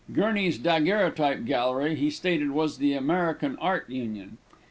Gurney's Daguerreotype Gallery he stated was the American Art Union.